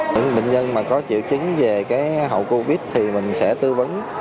những bệnh nhân mà có triệu chứng về cái hậu covid thì mình sẽ tư vấn